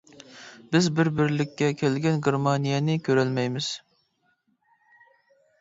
بىز بىر بىرلىككە كەلگەن گېرمانىيەنى كۆرەلەيمىز.